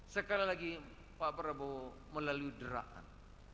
sekali lagi pak prabowo melalui deraan